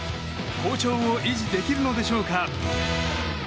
好調を維持できるのでしょうか。